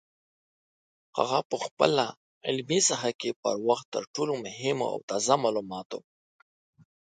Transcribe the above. هغه په خپله علمي ساحه کې پر وخت تر ټولو مهمو او تازه معلوماتو